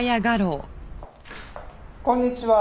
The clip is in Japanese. こんにちは。